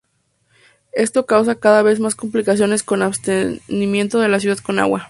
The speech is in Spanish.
Eso causaba cada vez más complicaciones con abastecimiento de la ciudad con agua.